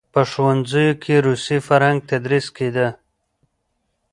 په ښوونځیو کې روسي فرهنګ تدریس کېده.